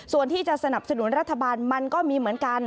ส่วนที่จะสนับสนุนรัฐบาลมันก็มีเหมือนกัน